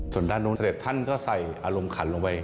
ส่วนด้านนู้นเสด็จท่านก็ใส่อารมณ์ขันลงไป